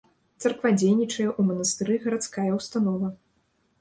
Царква дзейнічае, у манастыры гарадская ўстанова.